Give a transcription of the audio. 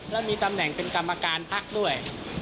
แล้วมีตำแหน่งเป็นกรรมการพักด้วย